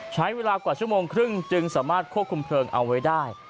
ใช้เวลากว่าชั่วโมงครึ่งจึงสามารถควบคุมเพลิงเอาไว้ได้